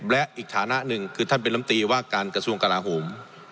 และอีกฐานะหนึ่งคือท่านเป็นลำตีว่าการกระทรวงกลาโหม